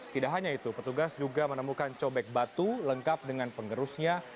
tidak hanya itu petugas juga menemukan cobek batu lengkap dengan penggerusnya